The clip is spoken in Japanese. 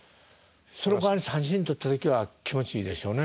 そのかわり三振取った時は気持ちいいでしょうね。